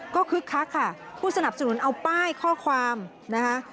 ก็คึกคักค่ะผู้สนับสนุนเอาป้ายข้อความนะคะ